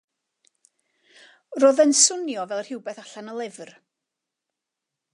Roedd e'n swnio fel rhywbeth allan o lyfr.